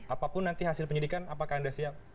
apapun nanti hasil penyidikan apakah anda siap